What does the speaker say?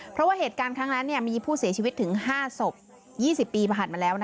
เพราะว่าเหตุการณ์ครั้งนั้นมีผู้เสียชีวิตถึง๕ศพ๒๐ปีผ่านมาแล้ว